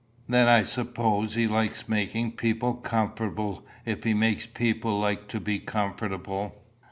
"Then I suppose he likes making people comfortable if he makes people like to be comfortable."